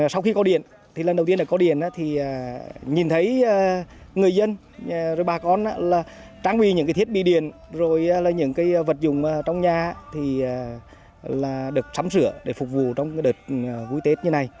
sau khi có điện lần đầu tiên có điện nhìn thấy người dân bà con trang bị những thiết bị điện những vật dùng trong nhà được sắm sửa để phục vụ trong đợt cuối tết như này